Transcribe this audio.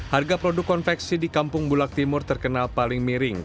harga produk konveksi di kampung bulak timur terkenal paling miring